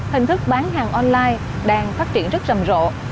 hình thức bán hàng online đang phát triển rất rầm rộ